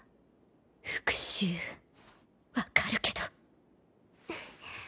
復讐分かるけどんっ。